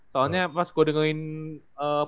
soalnya pas gue dengerin podcast dia sama dia